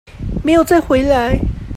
沒有再回來